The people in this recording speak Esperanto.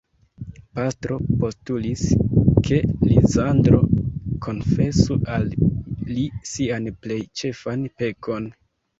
Pastro postulis, ke Lizandro konfesu al li sian plej ĉefan pekon.